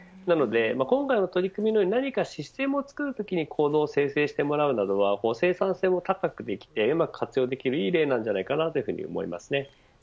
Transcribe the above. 今回の取り組みの何かシステムを作るときにコードを生成してもらうのは生産性も高くできてうまく活用できるいい例だと思います。